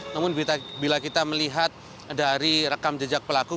namun bila kita melihat dari rekam jejak pelaku